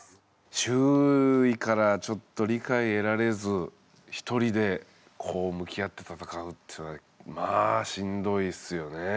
周囲からちょっと理解得られず一人で向き合ってたたかうっていうのはまあしんどいっすよね。